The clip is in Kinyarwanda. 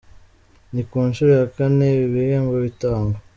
Ni ku nshuro ya kane ibi bihembo bitangwa,.